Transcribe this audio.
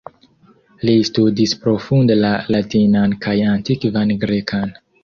Li studis profunde la latinan kaj antikvan grekan.